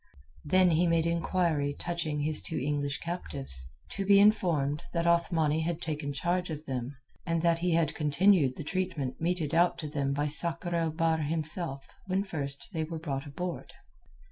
Then he made inquiry touching his two English captives, to be informed that Othmani had taken charge of them, and that he had continued the treatment meted out to them by Sakr el Bahr himself when first they were brought aboard.